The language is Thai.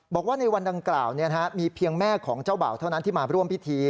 บอกว่าในวันดังกล่าวมีเพียงแม่ของเจ้าบ่าวเท่านั้นที่มาร่วมพิธี